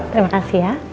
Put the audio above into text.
terima kasih ya